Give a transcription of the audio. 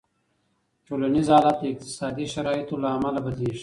ټولنیز حالت د اقتصادي شرایطو له امله بدلېږي.